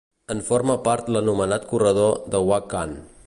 En forma part l'anomenat Corredor de Wakhan.